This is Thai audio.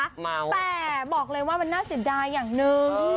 แต่บอกเลยว่ามันน่าเสียดายอย่างหนึ่ง